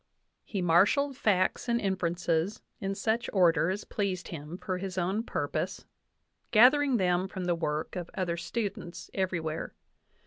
He marshalled facts and inferences in such order as pleased him for his own purpose, gathering them from the work of other students everywhere.